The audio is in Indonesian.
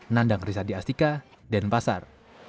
nandang rizadi astika denpasar